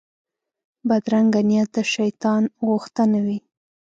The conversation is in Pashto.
بدرنګه نیت د شیطان غوښتنه وي